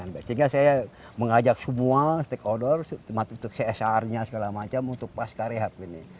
sehingga saya mengajak semua stakeholder untuk csr nya segala macam untuk pasca rehab ini